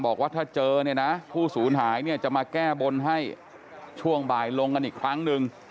บอกว่าถ้าเจอผู้ศูนย์หายจะมาแก้บนให้ช่วงบ่ายลงกันอีกครั้งหนึ่ง